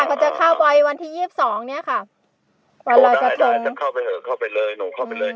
วันที่ยี่สิบสองเนี้ยค่ะโอ้ได้ได้จะเข้าไปเถอะเข้าไปเลยหนูเข้าไปเลย